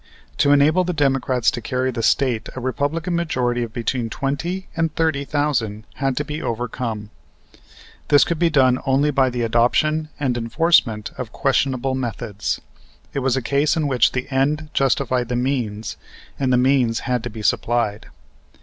To enable the Democrats to carry the State a Republican majority of between twenty and thirty thousand had to be overcome. This could be done only by the adoption and enforcement of questionable methods. It was a case in which the end justified the means, and the means had to be supplied.